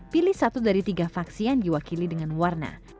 pilih satu dari tiga faksi yang diwakili dengan warna